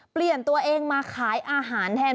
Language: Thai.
เปลี่ยนตัวเองมาขายอาหารแทน